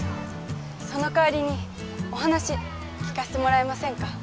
その代わりにお話聞かせてもらえませんか？